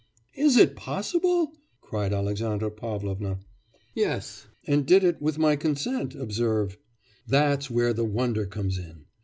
'Is it possible?' cried Alexandra Pavlovna. 'Yes, and did it with my consent, observe. That's where the wonder comes in!...